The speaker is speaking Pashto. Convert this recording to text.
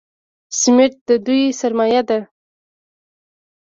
سمت د دوی سرمایه ده.